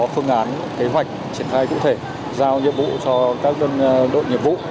phương án kế hoạch triển khai cụ thể giao nhiệm vụ cho các dân đội nhiệm vụ